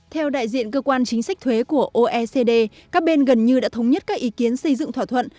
theo đại diện cơ quan chính sách thuế của oecd các bên gần như đã thống nhất các ý kiến xây dựng thỏa thuận